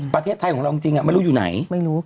ประเทศไทยของเราไม่รู้อยู่ไหน